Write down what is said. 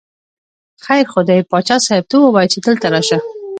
خیر خو دی، باچا صاحب ته ووایه چې دلته راشه.